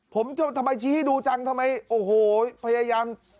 ผมทำไมชี้ให้ดูจังทำไมโอ้โหพยายาม